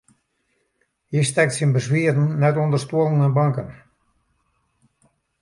Hy stekt syn beswieren net ûnder stuollen en banken.